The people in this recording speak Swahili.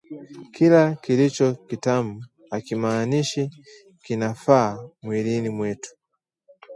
Kila kilicho kitamu hakimaanishi kinafaa mwilini mwetu